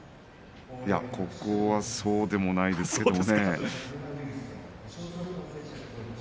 いやここはそうでもないですね。